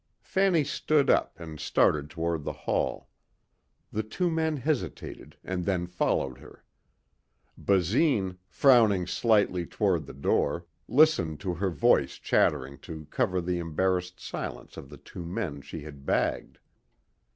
Fanny stood up and started toward the hall. The two men hesitated and then followed her. Basine, frowning slightly toward the door, listened to her voice chattering to cover the embarrassed silence of the two men she had bagged.